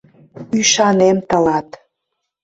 Ӱшанем тылат...